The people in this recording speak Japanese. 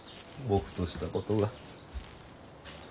僕としたことが。